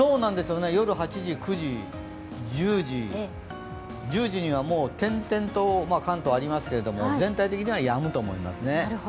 夜８時、９時、１０時１０時にはもう、点々と関東ありますけど全体的にはやむと思います。